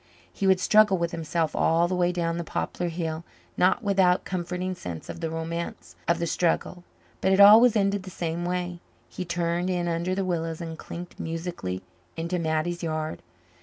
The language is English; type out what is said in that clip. He would struggle with himself all the way down the poplar hill not without a comforting sense of the romance of the struggle but it always ended the same way. He turned in under the willows and clinked musically into Mattie's yard.